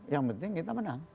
yang penting kita menang